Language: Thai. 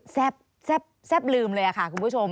แซ่บแซ่บแซ่บลืมเลยค่ะคุณผู้ชม